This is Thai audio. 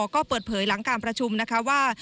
ก็เปิดเผยหลังการประชุมนะคะว่า